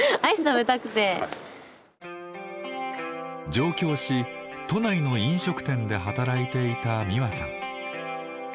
上京し都内の飲食店で働いていた実和さん。